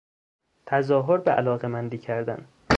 تظاهر به علاقمندی کردن